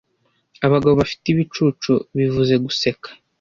abagabo bafite ibicucu bivuze guseka